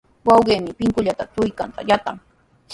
Wawqiimi pinkulluta tukayta yatran.